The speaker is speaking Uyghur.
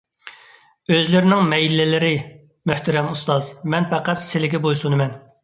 ئۆزلىرىنىڭ مەيلىلىرى، مۆھتەرەم ئۇستاز، مەن پەقەت سىلىگە بويسۇنىمەن.